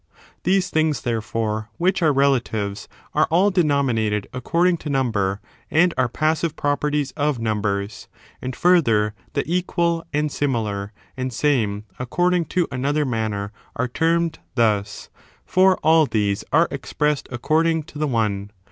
These things, therefore, which are relatives, are all denominated accord ing to number, and are passive properties of numbers ; and, further, the equal, and similar, and same, according to another manner, are termed thus ; for all these are expressed according to the one.